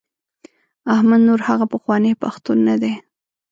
احمد نور هغه پخوانی پښتون نه دی.